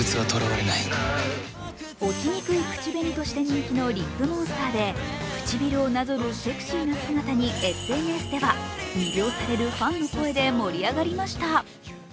落ちにくい口紅として人気のリップモンスターで、唇をなぞるセクシーな姿にＳＮＳでは魅了されるファンの声で盛り上がりました。